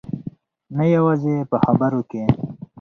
نه یوازې په خبرو کې.